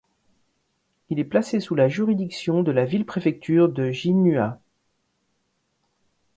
Il est placé sous la juridiction de la ville-préfecture de Jinhua.